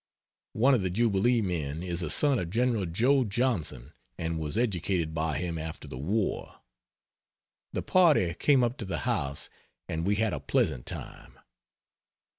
One of the jubilee men is a son of General Joe Johnson, and was educated by him after the war. The party came up to the house and we had a pleasant time.